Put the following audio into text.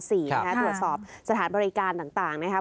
ตรวจสอบสถานบริการต่างนะครับ